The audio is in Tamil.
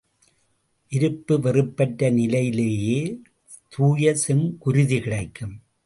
விருப்பு வெறுப்பற்ற நிலையிலேயே தூய செங்குருதி கிடைக்கும்.